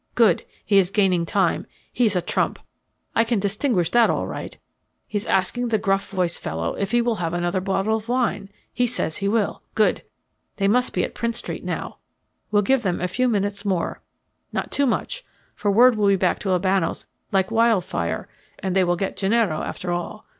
"Good he is gaining time. He is a trump. I can distinguish that all right. He's asking the gruff voiced fellow if he will have another bottle of wine. He says he will. Good. They must be at Prince Street now we'll give them a few minutes more, not too much, for word will be back to Albano's like wildfire, and they will get Gennaro after all.